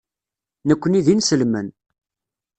Nekkni d inselmen.